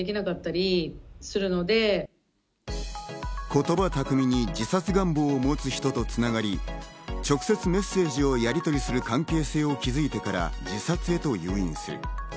言葉巧みに自殺願望を持つ人とつながり、直接メッセージをやりとりする関係を築いてから自殺へと誘引する。